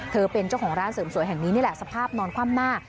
เป็นเจ้าของร้านเสริมสวยแห่งนี้นี่แหละสภาพนอนคว่ำหน้า